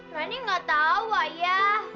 lani gak tau ayah